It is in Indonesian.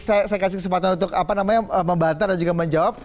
saya kasih kesempatan untuk membantah dan juga menjawab